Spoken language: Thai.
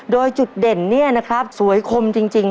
โดยจุดเด่นเนี่ยนะครับสวยคมจริง